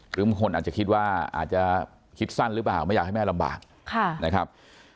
หรือบางคนอาจจะคิดว่าอาจจะคิดสั้นหรือเปล่าไม่อยากให้แม่ลำบากนะครับ